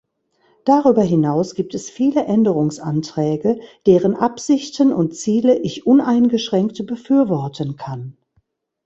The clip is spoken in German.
Darüber hinaus gibt es viele Änderungsanträge, deren Absichten und Ziele ich uneingeschränkt befürworten kann.